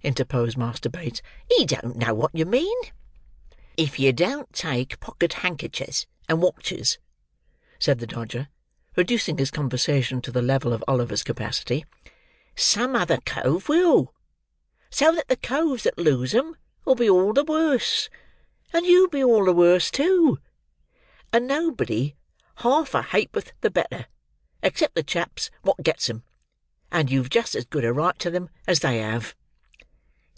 interposed Master Bates; "he don't know what you mean." "If you don't take pocket handkechers and watches," said the Dodger, reducing his conversation to the level of Oliver's capacity, "some other cove will; so that the coves that lose 'em will be all the worse, and you'll be all the worse, too, and nobody half a ha'p'orth the better, except the chaps wot gets them—and you've just as good a right to them as they have."